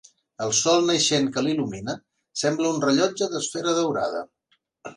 El sol naixent que l'il·lumina sembla un rellotge d'esfera daurada.